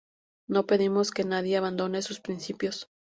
No pedimos que nadie abandone sus principios".